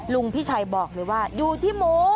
พี่ชัยบอกเลยว่าอยู่ที่หมู